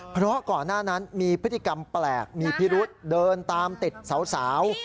เพราะก่อนหน้านั้นมีพฤติกรรมแปลกมีพิรุษเดินตามติดสาว